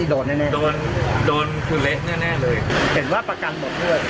อ่อเป็นบทเรียนมากกว่าครับ